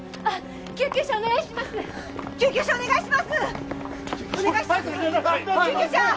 はい！